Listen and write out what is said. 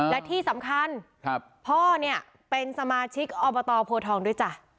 และที่สำคัญพ่อเนี่ยเป็นสมาชิกอบตโพทองด้วยจ้ะ